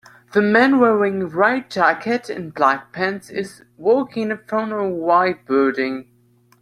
The man wearing a white jacket and black pants is walking in front of a white building.